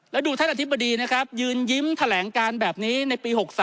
แล้วดูท่านอธิบดีนะครับยืนยิ้มแถลงการแบบนี้ในปี๖๓